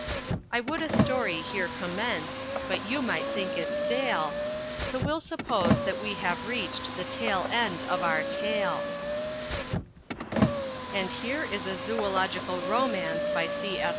"I would a story here commence, But you might think it stale; So we'll suppose that we have reached The tail end of our tale." And here is a zoölogical romance, by C. F.